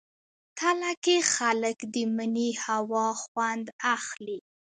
تله کې خلک د مني هوا خوند اخلي.